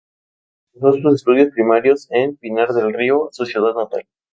Cursó sus estudios primarios en Pinar del Río, su ciudad natal.